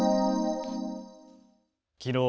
きのう